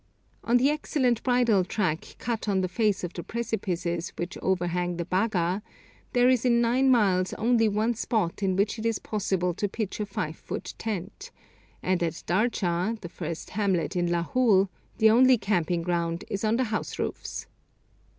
On the excellent bridle track cut on the face of the precipices which overhang the Bhaga, there is in nine miles only one spot in which it is possible to pitch a five foot tent, and at Darcha, the first hamlet in Lahul, the only camping ground is on the house roofs.